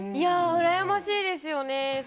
うらやましいですよね。